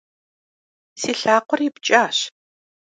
Си лъакъуэр ипкӏащ.